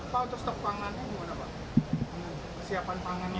pak untuk stok pangan siapa pangan